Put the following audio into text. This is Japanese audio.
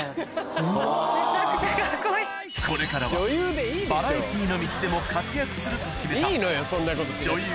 これからはバラエティーの道でも活躍すると決めた女優